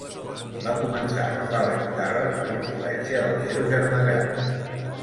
Va començar a agafar la guitarra per influència del seu germà gran.